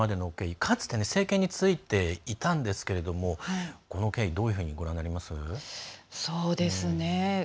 かつて政権についていたんですがこの経緯、どういうふうにご覧になります？